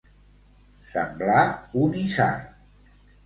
Semblar un isard.